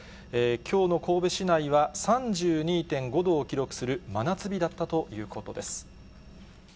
きょうの神戸市内は、３２．５度を記録する真夏日だったということです。